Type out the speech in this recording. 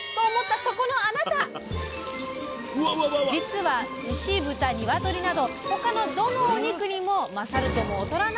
実は牛豚鶏など他のどのお肉にも勝るとも劣らない味わいなんだとか。